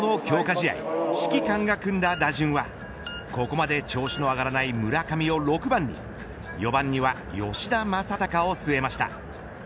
試合指揮官が組んだ打順はここまで調子の上がらない村上を６番に４番には吉田正尚を据えました。